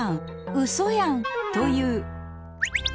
ウソやん！という